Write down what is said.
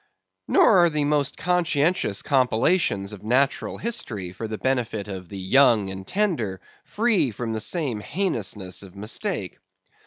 Nor are the most conscientious compilations of Natural History for the benefit of the young and tender, free from the same heinousness of mistake.